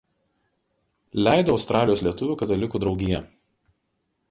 Leido Australijos lietuvių katalikų draugija.